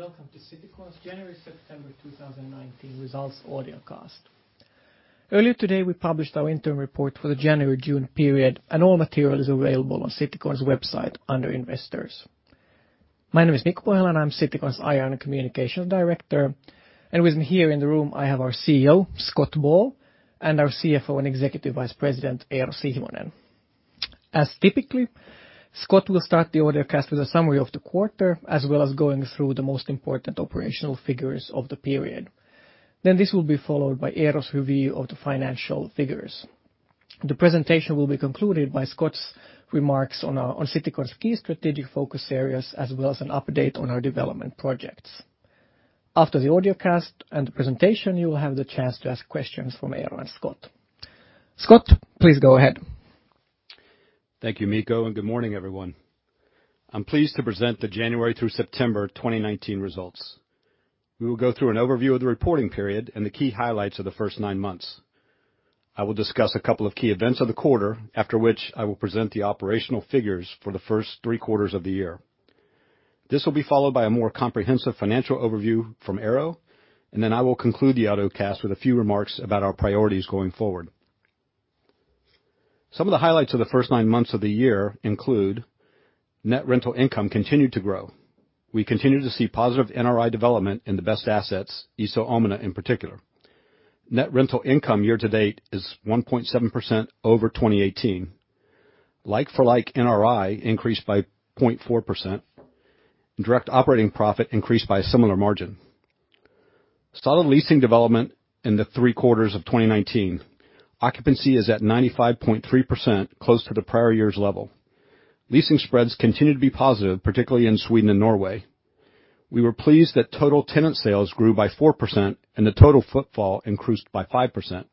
Everyone, welcome to Citycon's January, September 2019 results audio cast. Earlier today, we published our interim report for the January-June period, and all material is available on Citycon's website under Investors. My name is Mikko Pohjola, and I'm Citycon's IR and Communications Director. With me here in the room, I have our CEO, Scott Ball, and our CFO and Executive Vice President, Eero Sihvonen. As typically, Scott will start the audio cast with a summary of the quarter, as well as going through the most important operational figures of the period. This will be followed by Eero's review of the financial figures. The presentation will be concluded by Scott's remarks on Citycon's key strategic focus areas, as well as an update on our development projects. After the audio cast and the presentation, you will have the chance to ask questions from Eero and Scott. Scott, please go ahead. Thank you, Mikko. Good morning, everyone. I'm pleased to present the January through September 2019 results. We will go through an overview of the reporting period and the key highlights of the first nine months. I will discuss a couple of key events of the quarter, after which I will present the operational figures for the first three quarters of the year. This will be followed by a more comprehensive financial overview from Eero, and then I will conclude the audiocast with a few remarks about our priorities going forward. Some of the highlights of the first nine months of the year include net rental income continued to grow. We continue to see positive NRI development in the best assets, Iso Omena in particular. Net rental income year to date is 1.7% over 2018. Like for like NRI increased by 0.4%, and direct operating profit increased by a similar margin. Solid leasing development in the three quarters of 2019. Occupancy is at 95.3%, close to the prior year's level. Leasing spreads continue to be positive, particularly in Sweden and Norway. We were pleased that total tenant sales grew by 4% and the total footfall increased by 5%.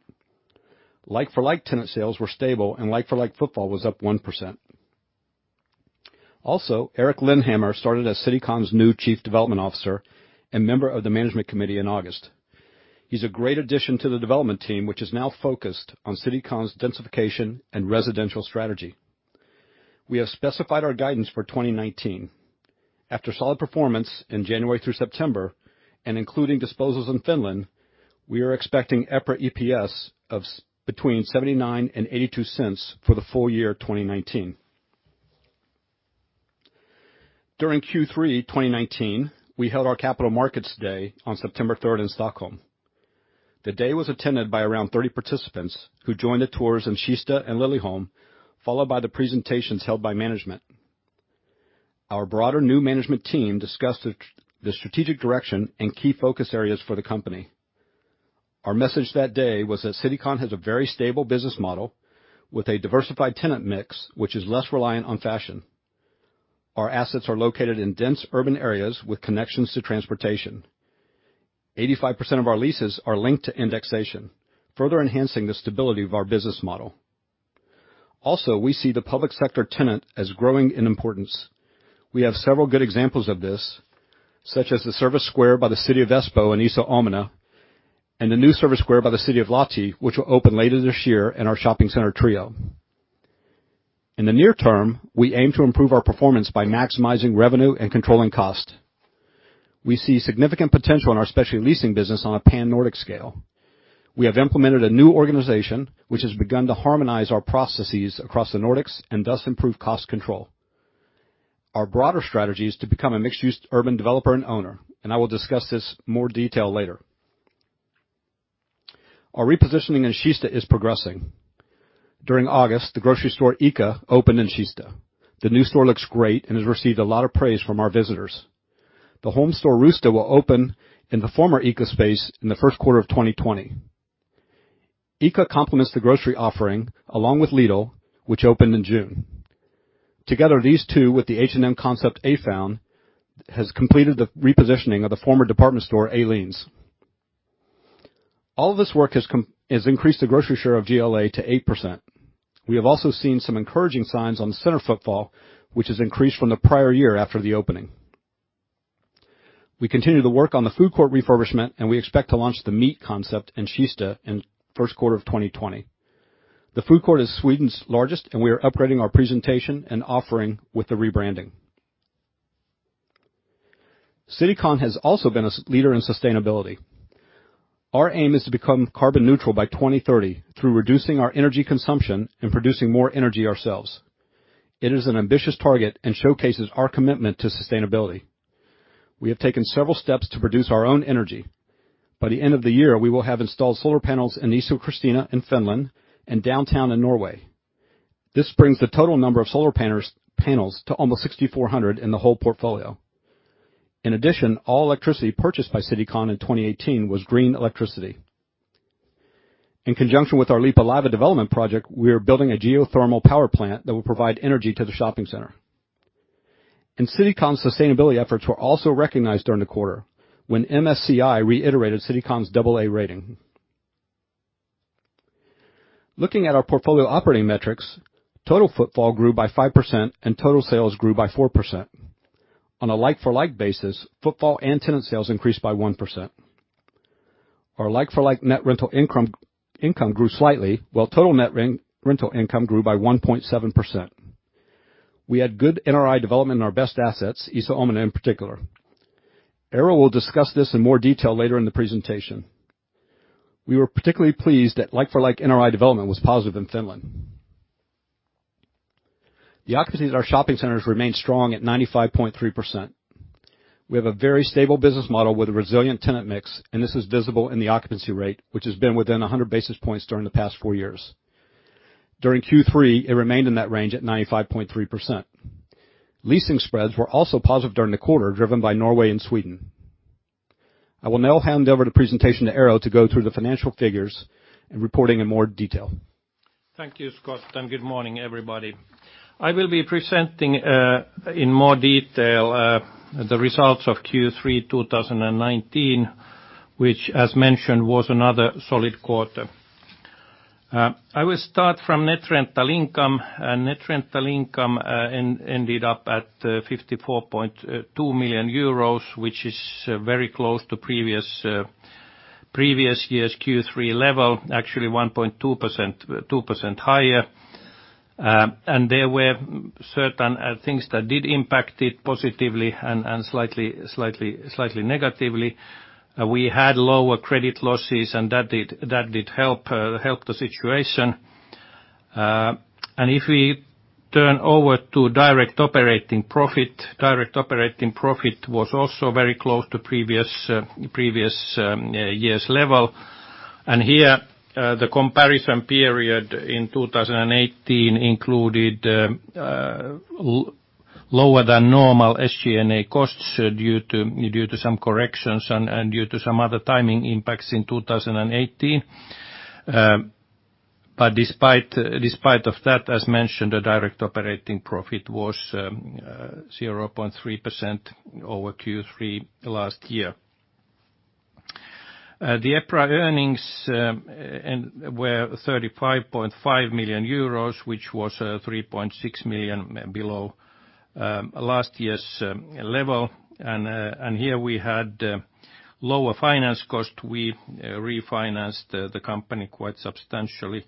Like for like tenant sales were stable, and like for like footfall was up 1%. Also, Erik Lennhammar started as Citycon's new chief development officer and member of the management committee in August. He's a great addition to the development team, which is now focused on Citycon's densification and residential strategy. We have specified our guidance for 2019. After solid performance in January through September and including disposals in Finland, we are expecting EPRA EPS of between 0.79 and 0.82 for the full year 2019. During Q3 2019, we held our Capital Markets Day on September 3rd in Stockholm. The day was attended by around 30 participants who joined the tours in Kista and Liljeholmen, followed by the presentations held by management. Our broader new management team discussed the strategic direction and key focus areas for the company. Our message that day was that Citycon has a very stable business model with a diversified tenant mix, which is less reliant on fashion. Our assets are located in dense urban areas with connections to transportation. 85% of our leases are linked to indexation, further enhancing the stability of our business model. Also, we see the public sector tenant as growing in importance. We have several good examples of this, such as the service square by the city of Espoo in Iso Omena, and the new service square by the city of Lahti, which will open later this year in our shopping center, Trio. In the near term, we aim to improve our performance by maximizing revenue and controlling cost. We see significant potential in our specialty leasing business on a pan-Nordic scale. We have implemented a new organization, which has begun to harmonize our processes across the Nordics and thus improve cost control. Our broader strategy is to become a mixed-use urban developer and owner, and I will discuss this in more detail later. Our repositioning in Kista is progressing. During August, the grocery store ICA opened in Kista. The new store looks great and has received a lot of praise from our visitors. The home store Rusta will open in the former ICA space in the first quarter of 2020. ICA complements the grocery offering, along with Lidl, which opened in June. Together, these two with the H&M concept Afound, has completed the repositioning of the former department store Åhléns. All this work has increased the grocery share of GLA to 8%. We have also seen some encouraging signs on the center footfall, which has increased from the prior year after the opening. We continue to work on the food court refurbishment, and we expect to launch the meat concept in Kista in first quarter of 2020. The food court is Sweden's largest, and we are upgrading our presentation and offering with the rebranding. Citycon has also been a leader in sustainability. Our aim is to become carbon neutral by 2030 through reducing our energy consumption and producing more energy ourselves. It is an ambitious target and showcases our commitment to sustainability. We have taken several steps to produce our own energy. By the end of the year, we will have installed solar panels in Iso Kristiina in Finland and Downtown in Norway. This brings the total number of solar panels to almost 6,400 in the whole portfolio. In addition, all electricity purchased by Citycon in 2018 was green electricity. In conjunction with our Leppävaara development project, we are building a geothermal power plant that will provide energy to the shopping center. Citycon's sustainability efforts were also recognized during the quarter when MSCI reiterated Citycon's double A rating. Looking at our portfolio operating metrics, total footfall grew by 5% and total sales grew by 4%. On a like for like basis, footfall and tenant sales increased by 1%. Our like-for-like net rental income grew slightly, while total net rental income grew by 1.7%. We had good NRI development in our best assets, Iso Omena in particular. Eero will discuss this in more detail later in the presentation. We were particularly pleased that like-for-like NRI development was positive in Finland. The occupancy at our shopping centers remained strong at 95.3%. We have a very stable business model with a resilient tenant mix, and this is visible in the occupancy rate, which has been within 100 basis points during the past four years. During Q3, it remained in that range at 95.3%. Leasing spreads were also positive during the quarter, driven by Norway and Sweden. I will now hand over the presentation to Eero to go through the financial figures and reporting in more detail. Thank you, Scott, and good morning, everybody. I will be presenting in more detail the results of Q3 2019, which as mentioned, was another solid quarter. I will start from Net Rental Income. Net Rental Income ended up at 54.2 million euros, which is very close to previous year's Q3 level, actually 1.2% higher. There were certain things that did impact it positively and slightly negatively. We had lower credit losses, that did help the situation. If we turn over to Direct Operating Profit, Direct Operating Profit was also very close to previous year's level. Here, the comparison period in 2018 included lower than normal SG&A costs due to some corrections and due to some other timing impacts in 2018. Despite of that, as mentioned, the Direct Operating Profit was 0.3% over Q3 last year. The EPRA earnings were 35.5 million euros, which was 3.6 million below last year's level. Here we had lower finance cost. We refinanced the company quite substantially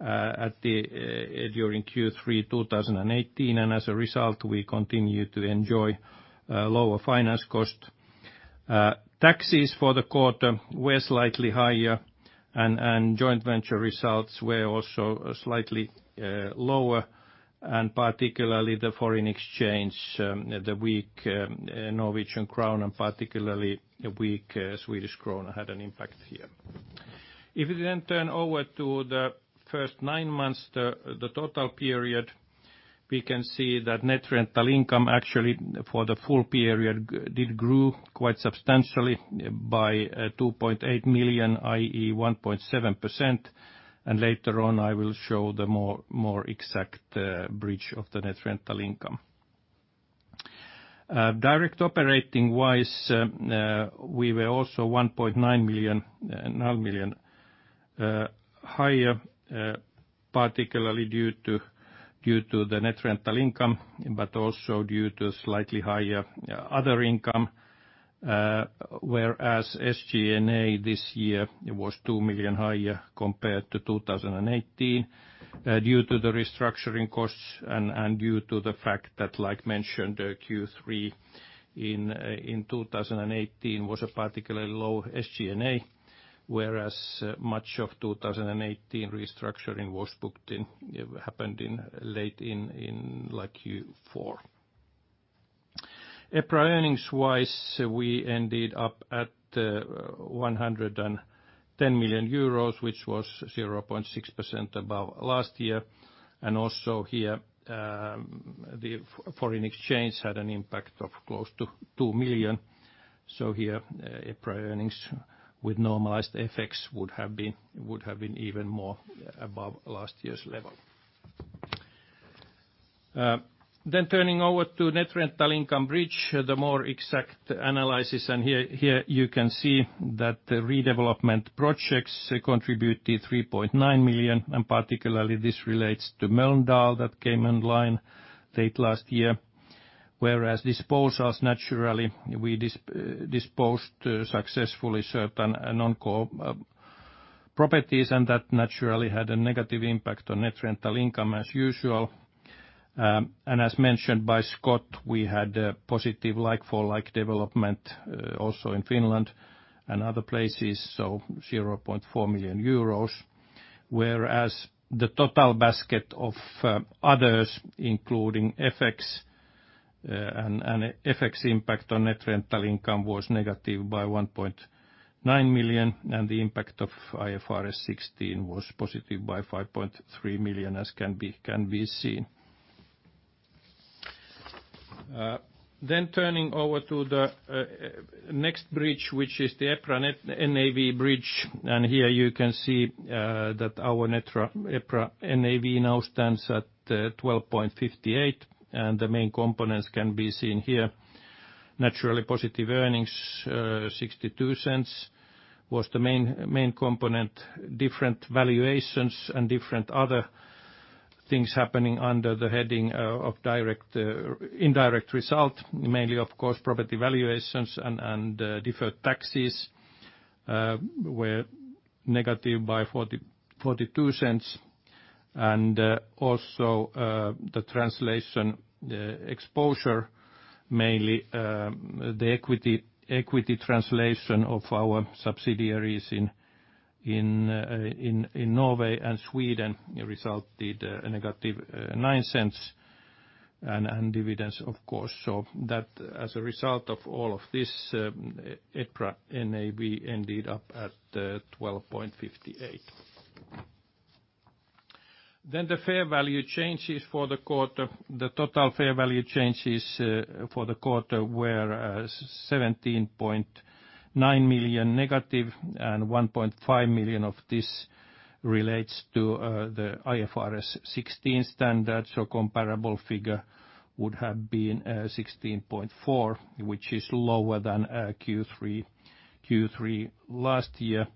during Q3 2018. As a result, we continue to enjoy lower finance cost. Taxes for the quarter were slightly higher. Joint venture results were also slightly lower. Particularly the foreign exchange, the weak Norwegian crown, and particularly the weak Swedish crown had an impact here. If we turn over to the first nine months, the total period, we can see that net rental income actually for the full period did grow quite substantially by 2.8 million, i.e., 1.7%. Later on, I will show the more exact bridge of the net rental income. Direct operating-wise, we were also 1.9 million higher, particularly due to the net rental income, but also due to slightly higher other income, whereas SG&A this year was 2 million higher compared to 2018 due to the restructuring costs and due to the fact that, like mentioned, Q3 in 2018 was a particularly low SG&A, whereas much of 2018 restructuring happened late in Q4. EPRA earnings-wise, we ended up at 110 million euros, which was 0.6% above last year. Also here, the foreign exchange had an impact of close to 2 million. Here, EPRA earnings with normalized effects would have been even more above last year's level. Turning over to net rental income bridge, the more exact analysis, here you can see that the redevelopment projects contributed 3.9 million, and particularly this relates to Mölndal that came online late last year. Disposals, naturally, we disposed successfully certain non-core properties, and that naturally had a negative impact on net rental income as usual. As mentioned by Scott, we had a positive like-for-like development also in Finland and other places, so 0.4 million euros. The total basket of others, including FX and FX impact on net rental income, was negative by 1.9 million, and the impact of IFRS 16 was positive by 5.3 million, as can be seen. Turning over to the next bridge, which is the EPRA NAV bridge. Here you can see that our EPRA NAV now stands at 12.58, and the main components can be seen here. Naturally positive earnings, 0.62, was the main component. Different valuations and different other things happening under the heading of indirect result, mainly, of course, property valuations and deferred taxes were negative by 0.42. The translation exposure, mainly the equity translation of our subsidiaries in Norway and Sweden resulted a negative 0.09 and dividends, of course. As a result of all of this, EPRA NAV ended up at 12.58. The fair value changes for the quarter. The total fair value changes for the quarter were 17.9 million negative, and 1.5 million of this relates to the IFRS 16 standard. Comparable figure would have been 16.4, which is lower than Q3 last year.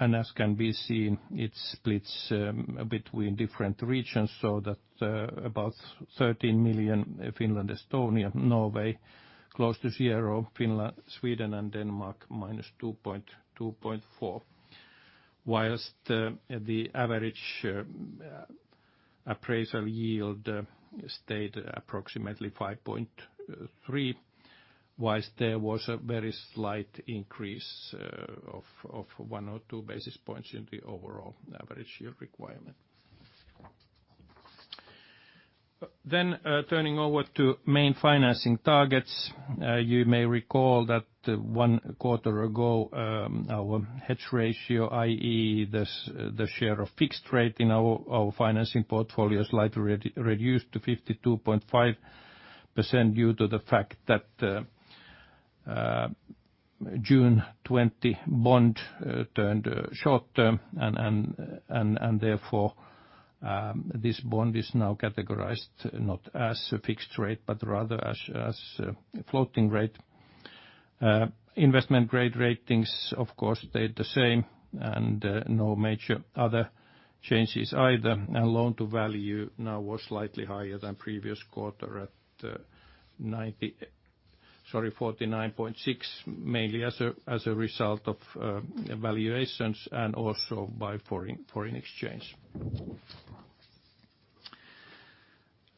As can be seen, it splits between different regions, so that about 13 million Finland, Estonia, Norway, close to zero, Finland, Sweden, and Denmark, minus 2.4. Whilst the average appraisal yield stayed approximately 5.3%, whilst there was a very slight increase of one or two basis points in the overall average yield requirement. Turning over to main financing targets. You may recall that one quarter ago our hedge ratio, i.e., the share of fixed rate in our financing portfolio slightly reduced to 52.5% due to the fact that June 20 bond turned short-term and therefore this bond is now categorized not as a fixed rate, but rather as floating rate. Investment grade ratings, of course, stayed the same. No major other changes either. Loan to value now was slightly higher than previous quarter at 49.6%, mainly as a result of valuations and also by foreign exchange.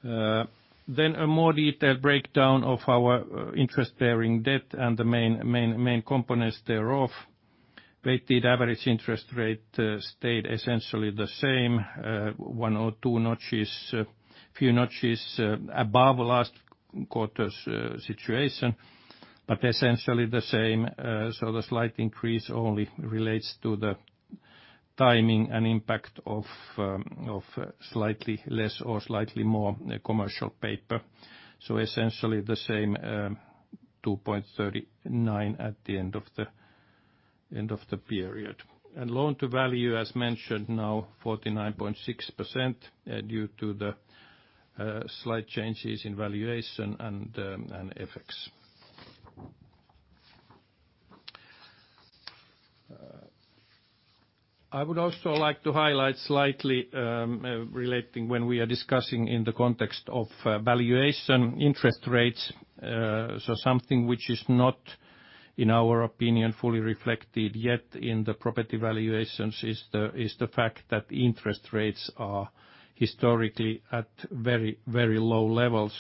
A more detailed breakdown of our interest-bearing debt and the main components thereof. Weighted average interest rate stayed essentially the same, one or two notches, few notches above last quarter's situation, but essentially the same. The slight increase only relates to the timing and impact of slightly less or slightly more commercial paper. Essentially the same, 2.39 at the end of the period. Loan to value, as mentioned, now 49.6% due to the slight changes in valuation and effects. I would also like to highlight slightly relating when we are discussing in the context of valuation interest rates. Something which is not, in our opinion, fully reflected yet in the property valuations is the fact that interest rates are historically at very low levels.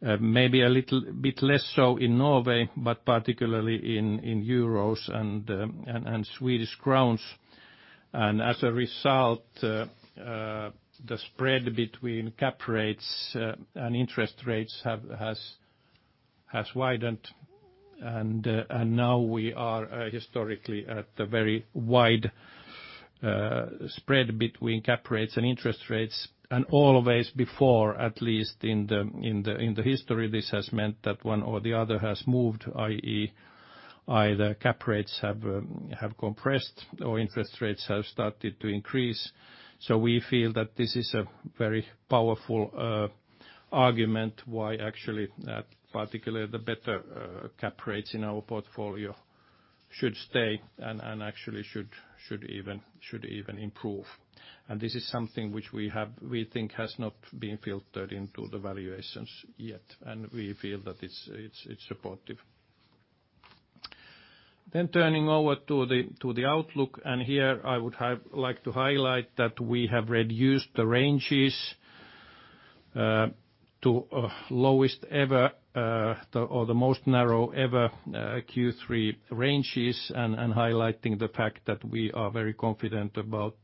Maybe a little bit less so in Norway, but particularly in euros and Swedish crowns. As a result, the spread between cap rates and interest rates has widened, and now we are historically at a very wide spread between cap rates and interest rates. Always before, at least in the history, this has meant that one or the other has moved, i.e., either cap rates have compressed or interest rates have started to increase. We feel that this is a very powerful argument why actually, particularly the better cap rates in our portfolio should stay and actually should even improve. This is something which we think has not been filtered into the valuations yet. We feel that it's supportive. Turning over to the outlook, here I would like to highlight that we have reduced the ranges to lowest ever or the most narrow ever Q3 ranges and highlighting the fact that we are very confident about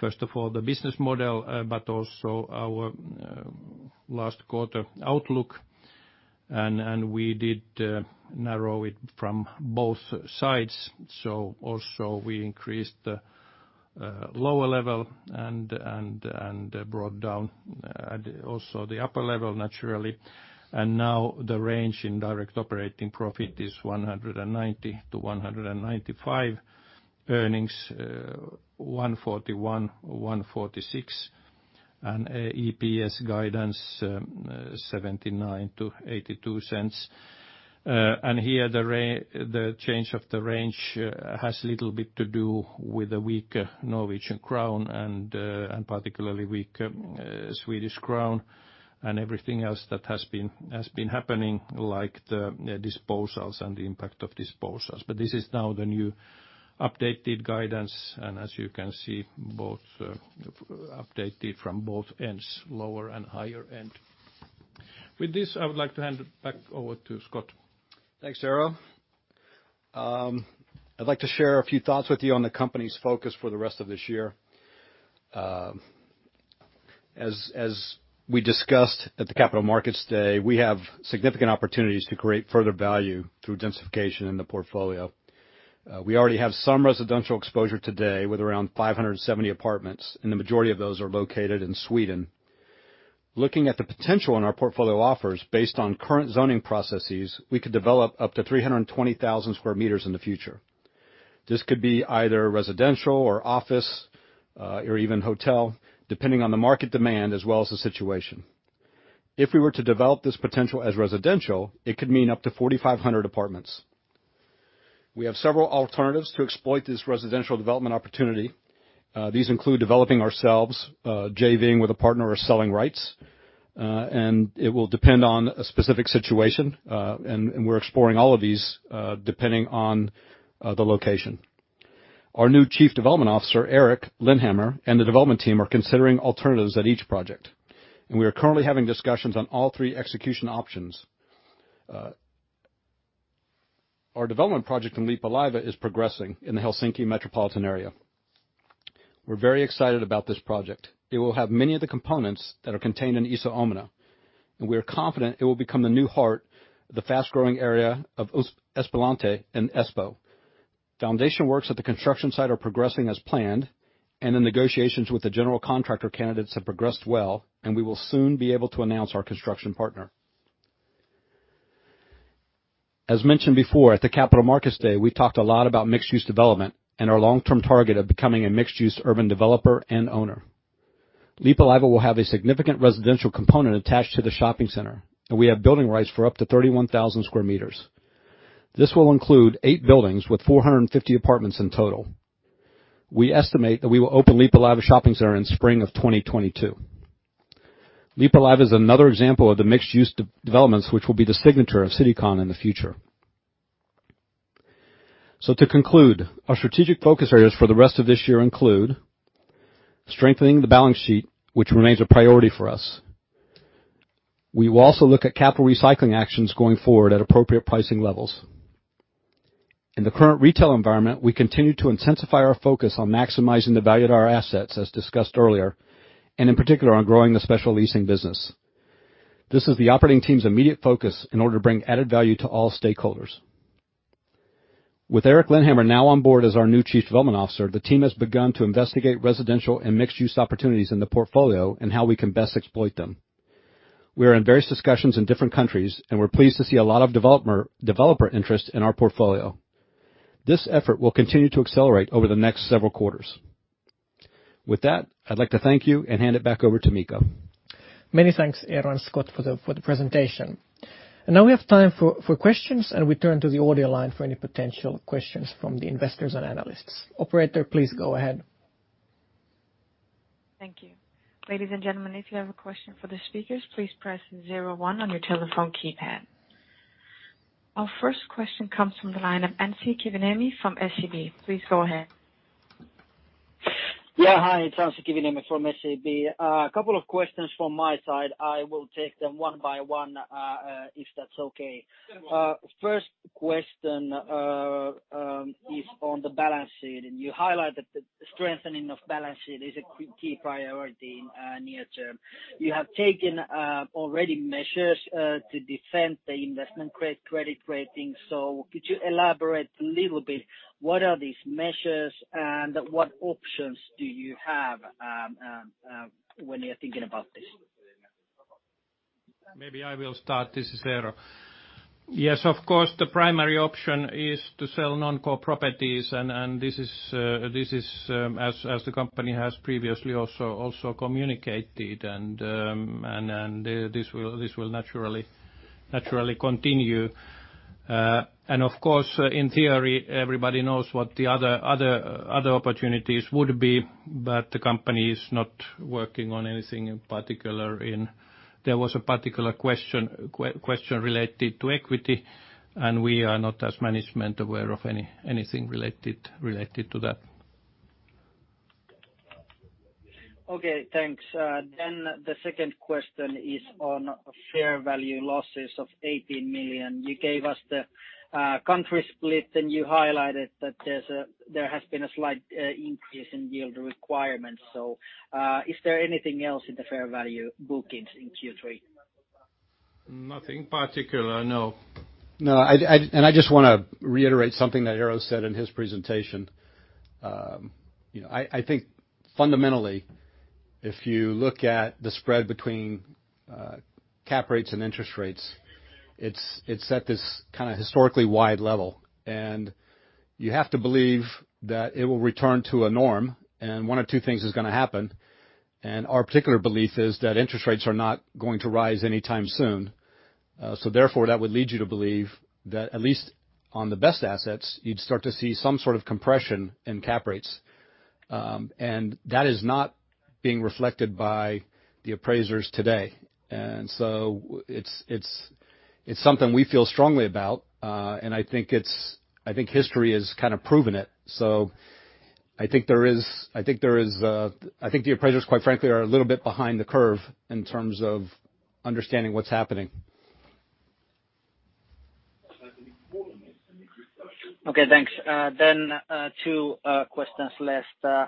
first of all, the business model, but also our last quarter outlook. We did narrow it from both sides. Also we increased the lower level and brought down also the upper level naturally. Now the range in direct operating profit is 190-195, earnings 141-146, and EPS guidance 0.79-0.82. Here, the change of the range has little bit to do with the weak Norwegian crown and particularly weak Swedish crown and everything else that has been happening, like the disposals and the impact of disposals. This is now the new updated guidance. As you can see, updated from both ends, lower and higher end. With this, I would like to hand it back over to Scott. Thanks, Eero. I'd like to share a few thoughts with you on the company's focus for the rest of this year. As we discussed at the Capital Markets Day, we have significant opportunities to create further value through densification in the portfolio. We already have some residential exposure today with around 570 apartments, and the majority of those are located in Sweden. Looking at the potential in our portfolio offers, based on current zoning processes, we could develop up to 320,000 sq m in the future. This could be either residential or office, or even hotel, depending on the market demand as well as the situation. If we were to develop this potential as residential, it could mean up to 4,500 apartments. We have several alternatives to exploit this residential development opportunity. These include developing ourselves, JV-ing with a partner or selling rights. It will depend on a specific situation, and we're exploring all of these depending on the location. Our new Chief Development Officer, Erik Lennhammar, and the development team are considering alternatives at each project. We are currently having discussions on all three execution options. Our development project in Leppävaara is progressing in the Helsinki metropolitan area. We're very excited about this project. It will have many of the components that are contained in Iso Omena, and we are confident it will become the new heart of the fast-growing area of Espoonlahti in Espoo. Foundation works at the construction site are progressing as planned, and the negotiations with the general contractor candidates have progressed well, and we will soon be able to announce our construction partner. As mentioned before, at the Capital Markets Day, we talked a lot about mixed-use development and our long-term target of becoming a mixed-use urban developer and owner. Leppävaara will have a significant residential component attached to the shopping center, and we have building rights for up to 31,000 sq m. This will include eight buildings with 450 apartments in total. We estimate that we will open Leppävaara Shopping Center in spring of 2022. Leppävaara is another example of the mixed-use developments, which will be the signature of Citycon in the future. To conclude, our strategic focus areas for the rest of this year include strengthening the balance sheet, which remains a priority for us. We will also look at capital recycling actions going forward at appropriate pricing levels. In the current retail environment, we continue to intensify our focus on maximizing the value of our assets, as discussed earlier, and in particular on growing the specialty leasing business. This is the operating team's immediate focus in order to bring added value to all stakeholders. With Erik Lennhammar now on board as our new Chief Development Officer, the team has begun to investigate residential and mixed-use opportunities in the portfolio and how we can best exploit them. We're pleased to see a lot of developer interest in our portfolio. This effort will continue to accelerate over the next several quarters. With that, I'd like to thank you and hand it back over to Mikko. Many thanks, Eero and Scott, for the presentation. Now we have time for questions, and we turn to the audio line for any potential questions from the investors and analysts. Operator, please go ahead. Thank you. Ladies and gentlemen, if you have a question for the speakers, please press 01 on your telephone keypad. Our first question comes from the line of Anssi Kivimäki from SEB. Please go ahead. Yeah. Hi, it's Anssi Kivimäki from SEB. A couple of questions from my side. I will take them one by one, if that's okay. Sure. First question is on the balance sheet. You highlighted that strengthening of balance sheet is a key priority in near term. You have taken already measures to defend the investment-grade credit rating. Could you elaborate a little bit, what are these measures and what options do you have when you are thinking about this? Maybe I will start. This is Eero. Yes, of course, the primary option is to sell non-core properties, and this is as the company has previously also communicated, and this will naturally continue. Of course, in theory, everybody knows what the other opportunities would be, but the company is not working on anything in particular. There was a particular question related to equity, and we are not, as management, aware of anything related to that. Okay. Thanks. The second question is on fair value losses of 18 million. You gave us the country split, and you highlighted that there has been a slight increase in yield requirements. Is there anything else in the fair value bookings in Q3? Nothing particular, no. No. I just want to reiterate something that Eero said in his presentation. I think fundamentally, if you look at the spread between cap rates and interest rates. It's at this historically wide level, and you have to believe that it will return to a norm, and one of two things is going to happen. Our particular belief is that interest rates are not going to rise anytime soon. Therefore, that would lead you to believe that at least on the best assets, you'd start to see some sort of compression in cap rates. That is not being reflected by the appraisers today. It's something we feel strongly about. I think history has proven it. I think the appraisers, quite frankly, are a little bit behind the curve in terms of understanding what's happening. Okay, thanks. Two questions, last.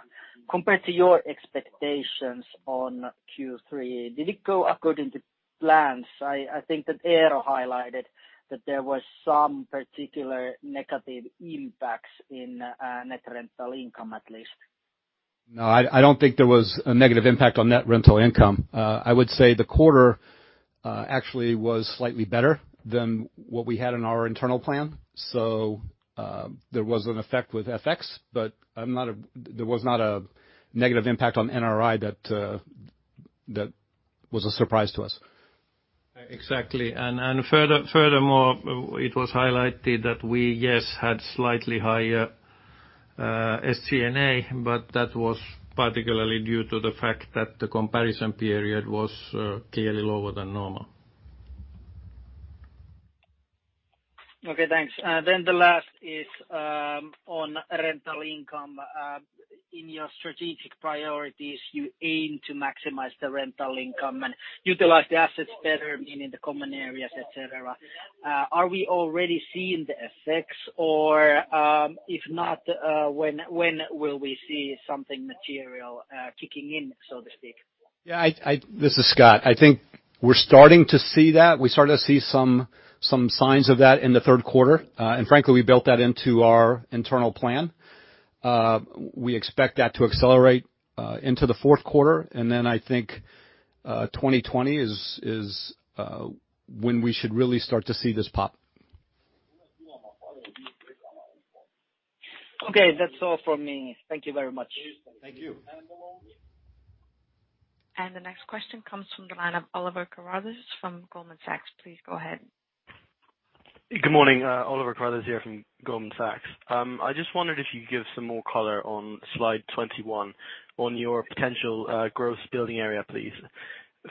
Compared to your expectations on Q3, did it go according to plans? I think that Eero highlighted that there was some particular negative impacts in net rental income, at least. I don't think there was a negative impact on net rental income. I would say the quarter actually was slightly better than what we had in our internal plan. There was an effect with FX, but there was not a negative impact on NRI that was a surprise to us. Exactly. Furthermore, it was highlighted that we, yes, had slightly higher SG&A, but that was particularly due to the fact that the comparison period was clearly lower than normal. Okay, thanks. The last is on rental income. In your strategic priorities, you aim to maximize the rental income and utilize the assets better, meaning the common areas, et cetera. Are we already seeing the effects or, if not, when will we see something material kicking in, so to speak? Yeah. This is Scott. I think we're starting to see that. We're starting to see some signs of that in the third quarter. Frankly, we built that into our internal plan. We expect that to accelerate into the fourth quarter. I think 2020 is when we should really start to see this pop. Okay, that's all from me. Thank you very much. Thank you. The next question comes from the line of Oliver Carruthers from Goldman Sachs. Please go ahead. Good morning. Oliver Carruthers here from Goldman Sachs. I just wondered if you could give some more color on slide 21 on your potential gross building area, please.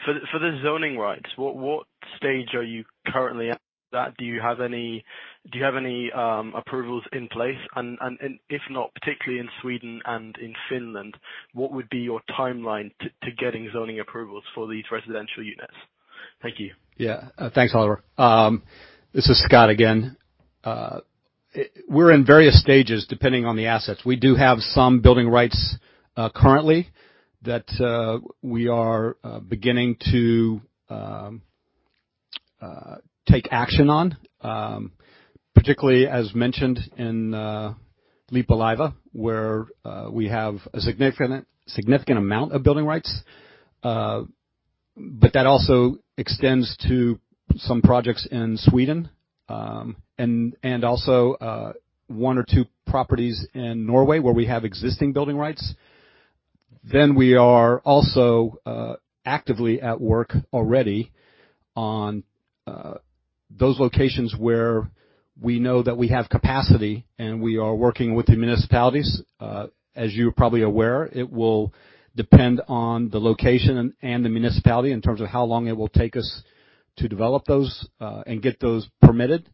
For the zoning rights, what stage are you currently at? Do you have any approvals in place? If not, particularly in Sweden and in Finland, what would be your timeline to getting zoning approvals for these residential units? Thank you. Thanks, Oliver. This is Scott again. We're in various stages, depending on the assets. We do have some building rights currently that we are beginning to take action on, particularly as mentioned in Lippulaiva, where we have a significant amount of building rights. That also extends to some projects in Sweden, and also one or two properties in Norway where we have existing building rights. We are also actively at work already on those locations where we know that we have capacity, and we are working with the municipalities. As you are probably aware, it will depend on the location and the municipality in terms of how long it will take us to develop those, and get those permitted.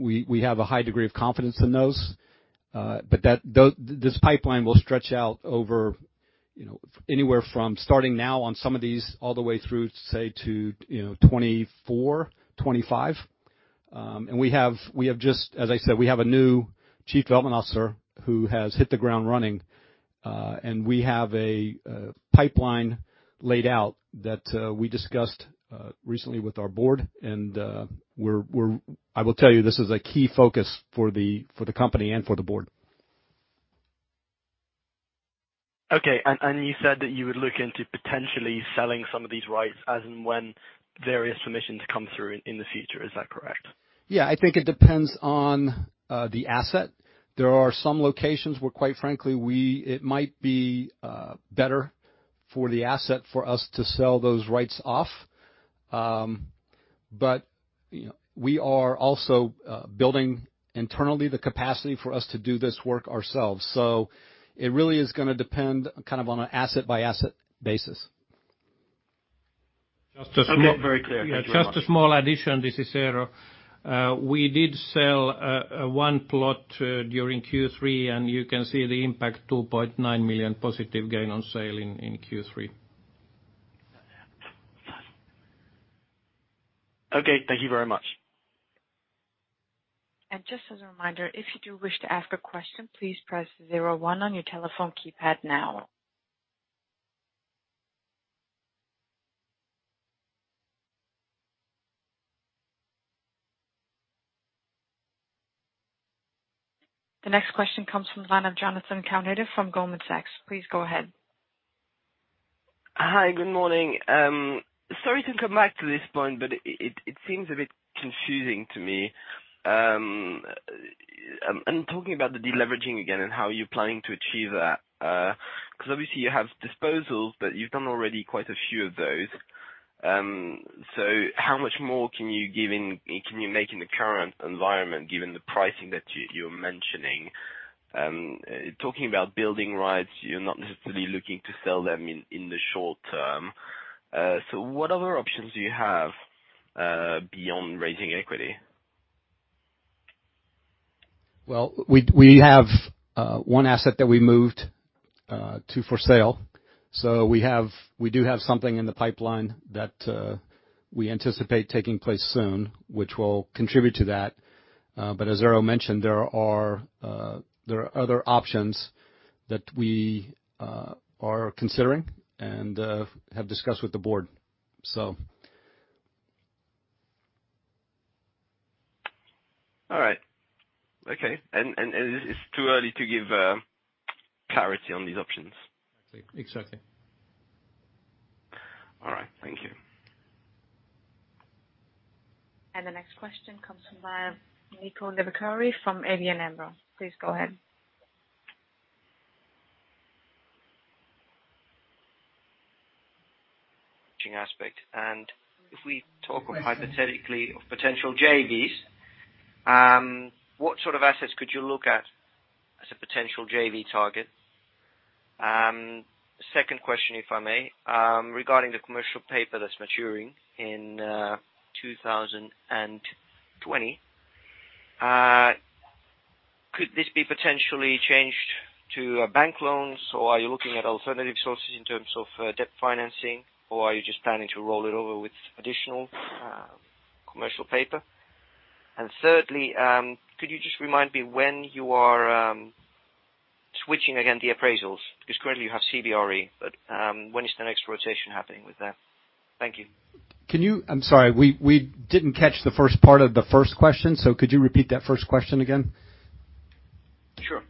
We have a high degree of confidence in those. This pipeline will stretch out over anywhere from starting now on some of these all the way through, say, to 2024, 2025. We have just, as I said, we have a new Chief Development Officer who has hit the ground running. We have a pipeline laid out that we discussed recently with our board, and I will tell you, this is a key focus for the company and for the board. Okay. You said that you would look into potentially selling some of these rights as and when various permissions come through in the future. Is that correct? Yeah, I think it depends on the asset. There are some locations where, quite frankly, it might be better for the asset for us to sell those rights off. We are also building internally the capacity for us to do this work ourselves. It really is going to depend on an asset-by-asset basis. I'm not very clear. Just a small addition. This is Eero. We did sell one plot during Q3, and you can see the impact, 2.9 million positive gain on sale in Q3. Okay. Thank you very much. Just as a reminder, if you do wish to ask a question, please press 01 on your telephone keypad now. The next question comes from the line of Jonathan Kalnitzer from Goldman Sachs. Please go ahead. Hi. Good morning. Sorry to come back to this point, it seems a bit confusing to me. I'm talking about the de-leveraging again, how you're planning to achieve that. Obviously you have disposals, you've done already quite a few of those. How much more can you make in the current environment, given the pricing that you're mentioning? Talking about building rights, you're not necessarily looking to sell them in the short term. What other options do you have beyond raising equity? We have one asset that we moved to for sale. We do have something in the pipeline that we anticipate taking place soon, which will contribute to that. As Eero mentioned, there are other options that we are considering and have discussed with the board. All right. Okay. It's too early to give clarity on these options? Exactly. All right. Thank you. The next question comes from Nico Debackere from ABN AMRO. Please go ahead. aspect. If we talk hypothetically of potential JVs, what sort of assets could you look at as a potential JV target? Second question, if I may. Regarding the commercial paper that's maturing in 2020, could this be potentially changed to bank loans, or are you looking at alternative sources in terms of debt financing, or are you just planning to roll it over with additional commercial paper? Thirdly, could you just remind me when you are switching again the appraisals? Currently you have CBRE, when is the next rotation happening with that? Thank you. I'm sorry, we didn't catch the first part of the first question. Could you repeat that first question again? Sure.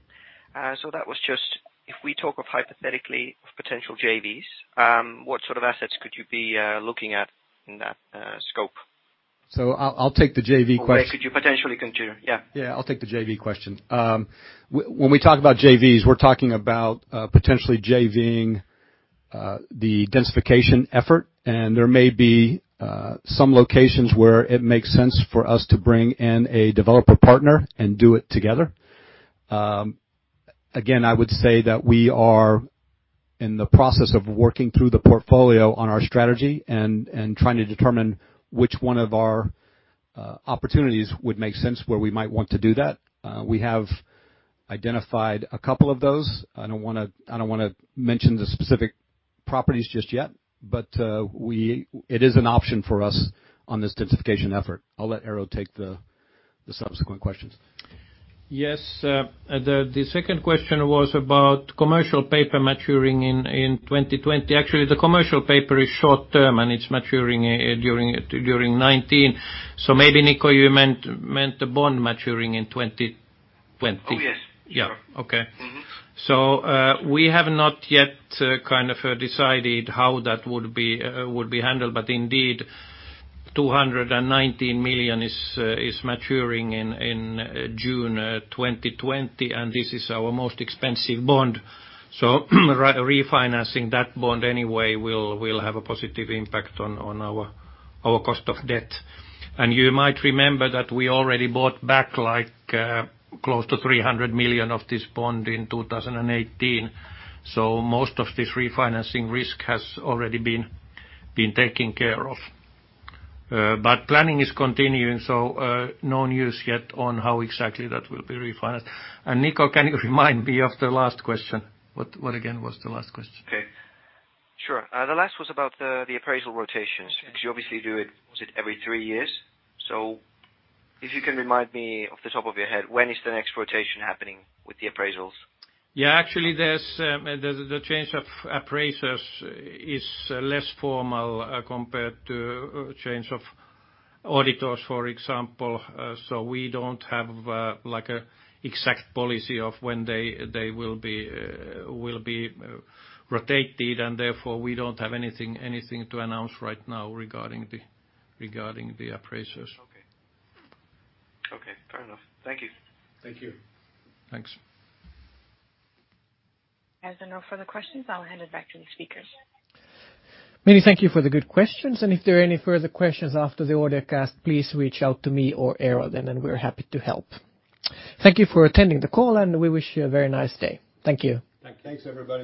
That was just, if we talk of hypothetically of potential JVs, what sort of assets could you be looking at in that scope? I'll take the JV question. Where could you potentially consider. Yeah. Yeah, I'll take the JV question. When we talk about JVs, we're talking about potentially JV-ing the densification effort, and there may be some locations where it makes sense for us to bring in a developer partner and do it together. Again, I would say that we are in the process of working through the portfolio on our strategy and trying to determine which one of our opportunities would make sense where we might want to do that. We have identified a couple of those. I don't want to mention the specific properties just yet, but it is an option for us on this densification effort. I'll let Eero take the subsequent questions. Yes. The second question was about commercial paper maturing in 2020. Actually, the commercial paper is short-term, and it's maturing during 2019. Maybe, Nico, you meant the bond maturing in 2020. Oh, yes. Sure. Yeah. Okay. We have not yet decided how that would be handled. Indeed, 219 million is maturing in June 2020, and this is our most expensive bond. Refinancing that bond anyway will have a positive impact on our cost of debt. You might remember that we already bought back close to 300 million of this bond in 2018. Most of this refinancing risk has already been taken care of. Planning is continuing, so no news yet on how exactly that will be refinanced. Nico, can you remind me of the last question? What again was the last question? Okay. Sure. The last was about the appraisal rotations, because you obviously do it, was it every three years? If you can remind me off the top of your head, when is the next rotation happening with the appraisals? Yeah. Actually, the change of appraisers is less formal compared to change of auditors, for example. We don't have an exact policy of when they will be rotated, and therefore, we don't have anything to announce right now regarding the appraisers. Okay. Fair enough. Thank you. Thank you. Thanks. As there are no further questions, I'll hand it back to the speakers. Many thank you for the good questions. If there are any further questions after the call, please reach out to me or Eero then, and we're happy to help. Thank you for attending the call, and we wish you a very nice day. Thank you. Thank you. Thanks, everybody.